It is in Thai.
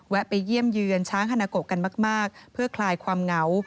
ไปเยี่ยมเยือนช้างฮานาโกกันมากเพื่อคลายความเหงา